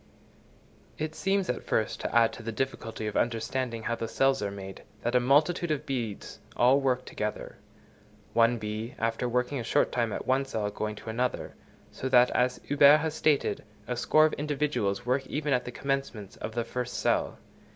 It seems at first to add to the difficulty of understanding how the cells are made, that a multitude of bees all work together; one bee after working a short time at one cell going to another, so that, as Huber has stated, a score of individuals work even at the commencement of the first cell.